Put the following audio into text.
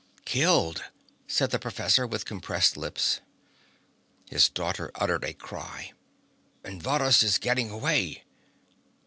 "Killed!" said the professor with compressed lips. His daughter uttered a cry: "And Varrhus is getting away!"